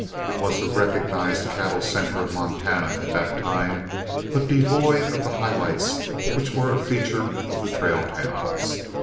It was the recognized cattle centre of Montana at that time, but devoid of the high lights which were a feature of the trail towns.